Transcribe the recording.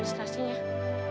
ini yang harus diberikan pak